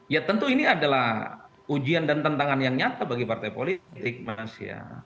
ya tentu ini adalah ujian dan tantangan yang nyata bagi partai politik mas ya